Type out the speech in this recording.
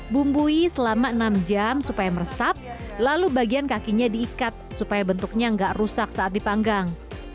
bumbui selama enam jam supaya meresap lalu bagian kakinya diikat supaya bentuknya nggak rusak saat dipanggang